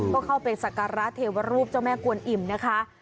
ก็เข้าไปสักการะเทวรูปเจ้าแม่กวนอิ่มนะคะ